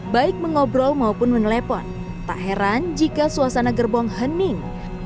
baik mengobrol maupun menelepon tak heran jika suasana gerbong hening